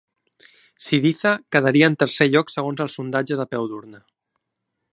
Syriza quedaria en tercer lloc segons els sondatges a peu d'urna